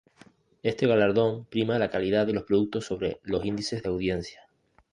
Este galardón prima la calidad de los productos sobre los índices de audiencia.